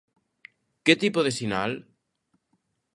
Que tipo de sinal?